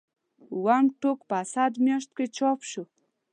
اووم ټوک په اسد میاشت کې چاپ شو.